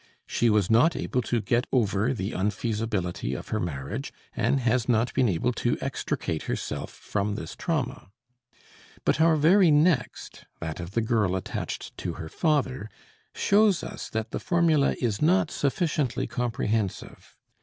She was not able to get over the unfeasibility of her marriage, and has not been able to extricate herself from this trauma. But our very next, that of the girl attached to her father, shows us that the formula is not sufficiently comprehensive.